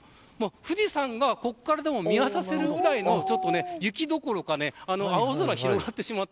富士山が、ここからでも見渡せるぐらいの雪どころか青空が広がっています。